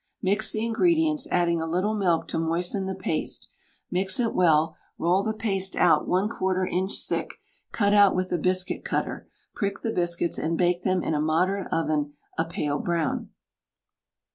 Mix the ingredients, adding a little milk to moisten the paste, mix it well, roll the paste out 1/4 in. thick, cut out with a biscuit cutter. Prick the biscuits, and bake them in a moderate oven a pale brown.